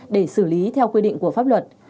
để xử lý theo quyết định của pháp luật